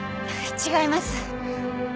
違います。